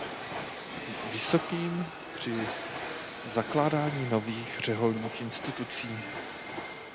Vysokým při zakládání nových řeholních institucí.